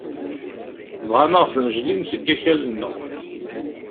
Bɣan ad ɣ-snejlin seg akal-nneɣ.